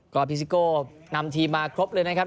ก็พิซิโก้นำทีมมาครบเลยนะครับ